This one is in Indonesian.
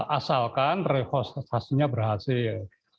asalkan reforestasinya berhasil